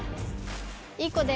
いい子で。